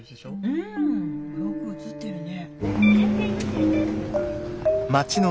うんよく写ってるね。